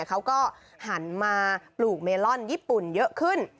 เขาก็หันมาปลูกเมลอนญี่ปุ่นเยอะขึ้น